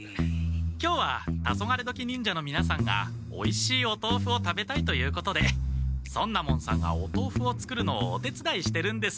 今日はタソガレドキ忍者のみなさんがおいしいお豆腐を食べたいということで尊奈門さんがお豆腐を作るのをお手つだいしてるんです。